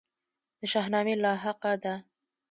د شاهنامې لاحقه ده.